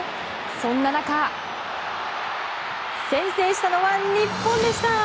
そんな中制したのは日本でした！